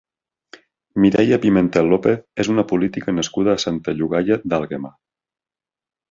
Mireia Pimentel López és una política nascuda a Santa Llogaia d'Àlguema.